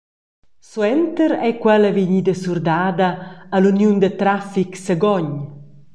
Suenter ei quella vegnida surdada all’Uniun da traffic Sagogn.